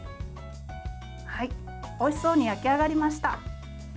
おいしそうに焼き上がりました。